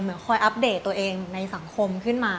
เหมือนคอยอัปเดตตัวเองในสังคมขึ้นมา